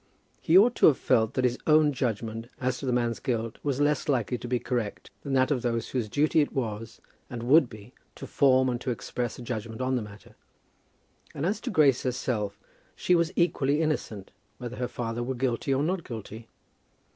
He ought to have felt that his own judgment as to the man's guilt was less likely to be correct than that of those whose duty it was and would be to form and to express a judgment on the matter; and as to Grace herself, she was equally innocent whether her father were guilty or not guilty.